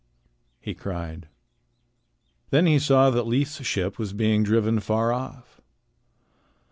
he cried. Then he saw that Leif's ship was being driven far off.